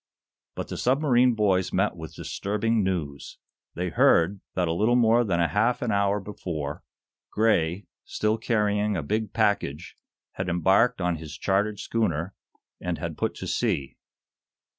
But the submarine boys met with disturbing news. They heard that a little more than a half an hour before, Gray, still carrying a big package, had embarked on his chartered schooner, and had put to sea.